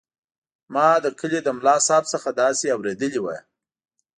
ما د کلي له ملاصاحب څخه داسې اورېدلي وو.